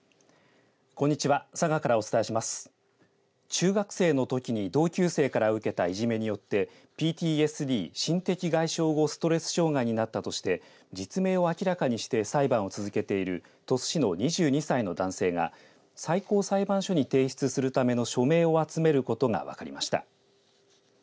中学生のときに同級生から受けたいじめによってＰＴＳＤ＝心的外傷後ストレス障害になったとして実名を明らかにして裁判を続けている鳥栖市の２２歳の男性が最高裁判所に提出するための署名を集めることが分かりました。